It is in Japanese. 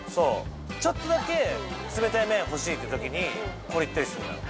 ちょっとだけ冷たい麺欲しいってときにこれいったりすんのよ